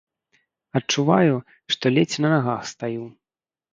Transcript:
Адчуваю, што ледзь на нагах стаю.